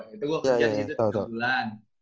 itu gue kerja disitu tiga bulan